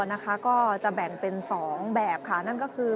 นะคะก็จะแบ่งเป็น๒แบบค่ะนั่นก็คือ